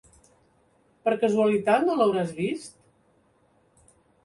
Per casualitat no l'hauràs vist?